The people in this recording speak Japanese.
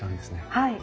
はい。